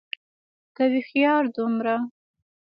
که هوښيار دومره